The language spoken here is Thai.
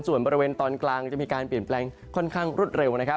ส่วนบริเวณตอนกลางจะมีการเปลี่ยนแปลงค่อนข้างรวดเร็วนะครับ